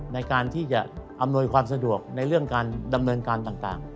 ในการที่จะอำนวยความสะดวกในเรื่องการดำเนินการต่าง